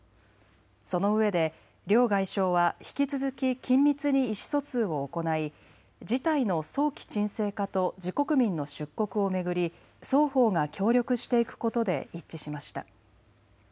そのうえで両外相は引き続き緊密に意思疎通を行い事態の早期沈静化と自国民の出国を巡り双方が協力していくことで一致しました。